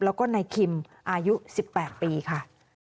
แล้วก็นายคิมอายุ๑๘ปีค่ะ